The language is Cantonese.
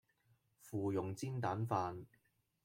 芙蓉煎蛋飯